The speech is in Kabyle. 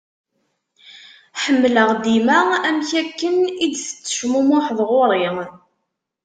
Ḥemmleɣ dima amek akken i d-tettecmumuḥeḍ ɣur-i.